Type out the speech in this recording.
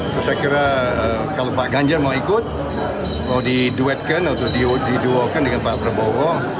terus saya kira kalau pak ganjar mau ikut mau diduetkan atau diduetkan dengan pak prabowo